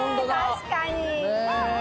確かに。